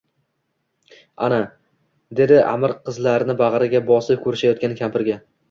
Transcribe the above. — Ena, — dedi Аmir qizlarni bagʼriga bosib koʼrishayotgan kampirga